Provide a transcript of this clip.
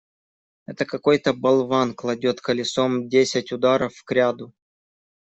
Это какой-то болван кладет колесом десять ударов кряду.